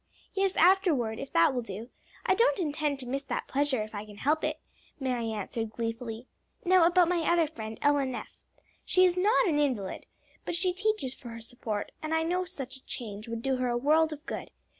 "Yes, afterward, if that will do. I don't intend to miss that pleasure if I can help it," Mary answered gleefully. "Now about my other friend, Ella Neff. She is not an invalid, but she teaches for her support, and I know such a change would do her a world of good.